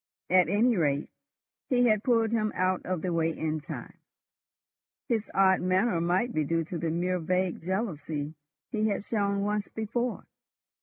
At any rate, he had pulled him out of the way in time. His odd manner might be due to the mere vague jealousy he had shown once before.